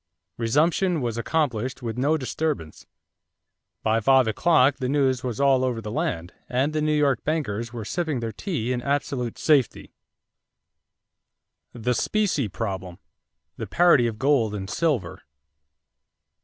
Resumption was accomplished with no disturbance. By five o'clock the news was all over the land, and the New York bankers were sipping their tea in absolute safety." =The Specie Problem the Parity of Gold and Silver.